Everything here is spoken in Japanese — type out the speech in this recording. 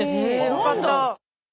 よかった。